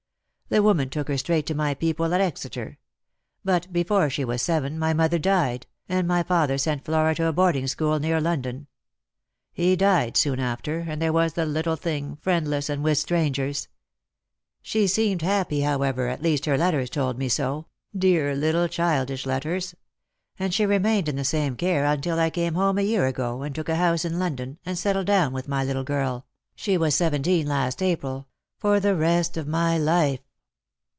The woman took her straight to my people at Exeter; but before she was seven, my mother died, and my father sent Flora to a boarding school near London. He died soon after, and there was the little thing, friendless, and with strangers. She seemed happy, however, at least her letters told me so — dear little childish letters !— and she remained in the same care until I came home a year ago and took a house in London, and settled down with my little girl — she was seventeen last April — for the rest of my life."